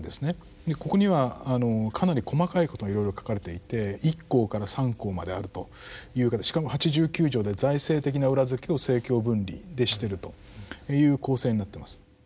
ここにはかなり細かいことがいろいろ書かれていて一項から三項まであるというからしかも八十九条で財政的な裏付けを政教分離でしてるという構成になってます。